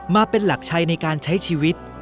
มาเป็นหลักชัยในการใช้ชีวิต